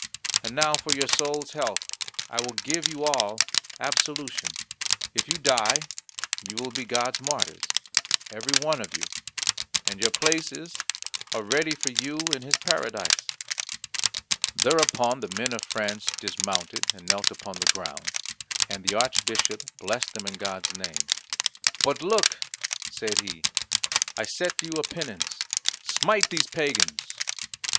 And now for your soul's health I will give you all absolution. If you die, you will be God's martyrs, every one of you, and your places are ready for you in His Paradise." Thereupon the men of France dismounted, and knelt upon the ground, and the Archbishop blessed them in God's name. "But look," said he, "I set you a penance smite these pagans."